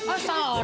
oh salah lu